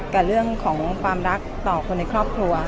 กับเรื่องของความรักต่อคนในครอบครัว